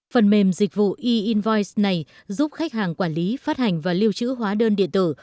phần mềm dịch vụ e invoice này giúp khách hàng quản lý phát hành và lưu trữ hóa đơn điện tử